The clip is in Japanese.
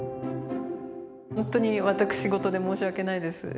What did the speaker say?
本当に私事で申し訳ないです。